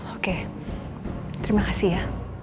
oke terima kasih ya